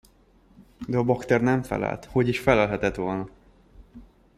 De a bakter nem felelt, hogy is felelhetett volna?